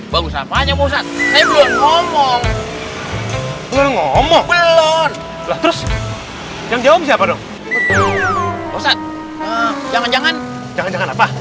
bangun sama aja pak ustadz